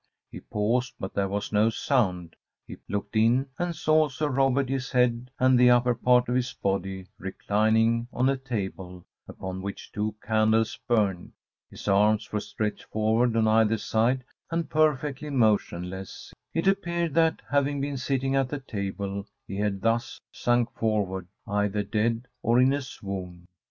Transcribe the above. He paused, but there was no sound; he looked in, and saw Sir Robert, his head and the upper part of his body reclining on a table, upon which two candles burned; his arms were stretched forward on either side, and perfectly motionless; it appeared that, having been sitting at the table, he had thus sunk forward, either dead or in a swoon.